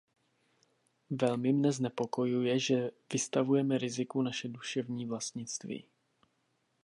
Velmi mne znepokojuje, že vystavujeme riziku naše duševní vlastnictví.